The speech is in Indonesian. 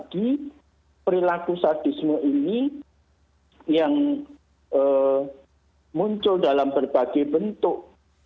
jadi tidak lagi perlaku sadisme ini yang muncul dalam berbagai bentuk